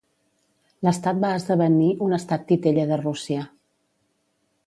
L'estat va esdevenir un estat titella de Rússia.